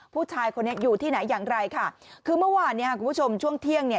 ผู้ชายคนนี้อยู่ที่ไหนอย่างไรค่ะคือเมื่อวานเนี่ยคุณผู้ชมช่วงเที่ยงเนี่ย